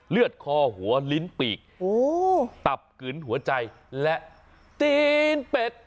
เลือดคอหัวลิ้นปีกตับกึนหัวใจและตีนเป็ด